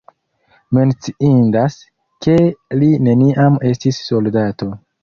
Menciindas, ke li neniam estis soldato.